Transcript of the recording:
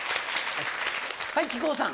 はい木久扇さん。